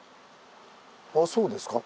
あそうですか。